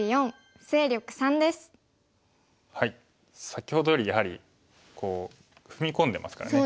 先ほどよりやはり踏み込んでますからね。